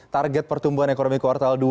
target pertumbuhan ekonomi kuartal dua